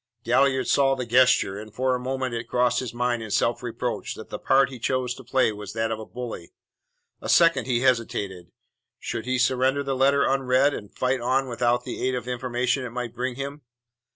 Galliard saw the gesture, and for a moment it crossed his mind in self reproach that the part he chose to play was that of a bully. A second he hesitated. Should he surrender the letter unread, and fight on without the aid of the information it might bring him?